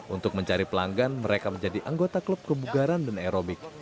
untuk mencari pelanggan mereka menjadi anggota klub kebugaran dan aerobik